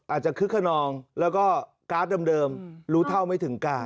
คึกขนองแล้วก็การ์ดเดิมรู้เท่าไม่ถึงการ